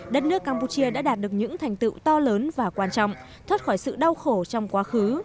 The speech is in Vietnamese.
đất nước campuchia đã đạt được những thành tựu to lớn và quan trọng thoát khỏi sự đau khổ trong quá khứ